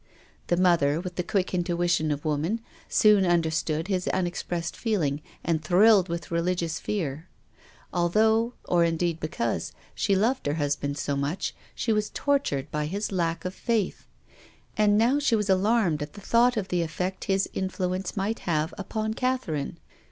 The mother, with the quick intuition of woman, soon understood his unexpressed feeling and thrilled with religious fear. Although — or indeed because — she loved her husband so much she was tortured by his lack of faith. And now she was alarmed at the thought of the effect his influence might have upon Catherine.